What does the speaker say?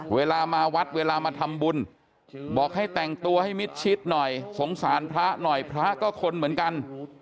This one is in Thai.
เวลามาวัดเวลามาทำบุญบอกให้แต่งตัวให้มิดชิดหน่อยสงสารพระหน่อยพระก็คนเหมือนกัน